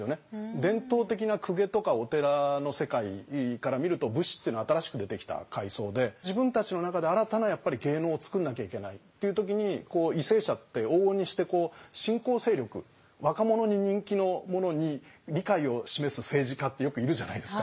伝統的な公家とかお寺の世界から見ると武士っていうのは新しく出てきた階層で自分たちの中で新たなやっぱり芸能を作んなきゃいけないっていう時に為政者って往々にして新興勢力若者に人気のものに理解を示す政治家ってよくいるじゃないですか。